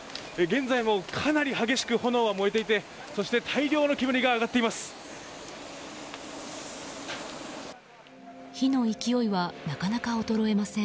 現在もかなり激しく炎は燃えていてそして大量の煙が上がっています。